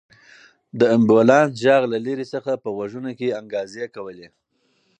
د امبولانس غږ له لرې څخه په غوږونو کې انګازې کولې.